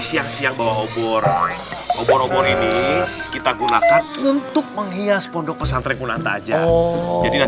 siang siang obor obor ini kita gunakan untuk menghias pondok pesantren